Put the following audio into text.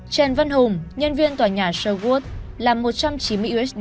trần văn hùng nhân viên tòa nhà sherwood làm một trăm chín mươi usd